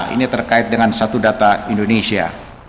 ini terkait dengan satu data indonesia